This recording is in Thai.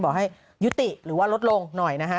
บอกให้ยุติหรือว่าลดลงหน่อยนะฮะ